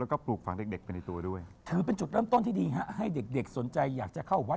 ขอบคุณครับ